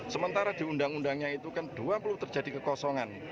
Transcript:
sementara di undang undangnya itu kan dua puluh terjadi kekosongan